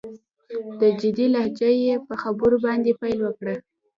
په جدي لهجه يې په خبرو باندې پيل وکړ.